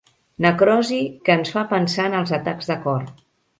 Necrosi que ens fa pensar en els atacs de cor.